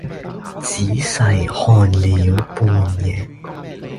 仔細看了半夜，